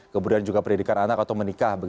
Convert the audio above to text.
kemudian juga pendidikan anak atau menikah